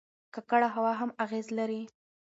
ککړه هوا هم اغېز لري.